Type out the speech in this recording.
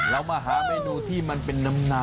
เรามาหาเมนูที่มันเป็นน้ำ